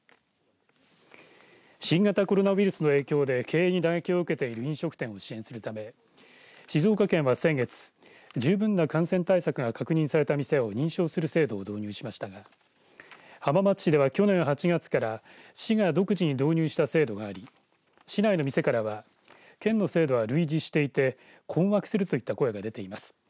新型コロナウイルスの影響で経営に打撃を受けている飲食店を支援するため静岡県は先月十分な感染対策が確認された店を認証する制度を導入しましたが浜松市では去年８月から市が独自に導入した制度があり市内の店からは県の制度は類似していて困惑するといった声が出ています。